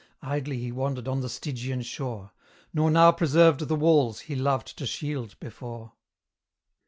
Idly he wandered on the Stygian shore, Nor now preserved the walls he loved to shield before.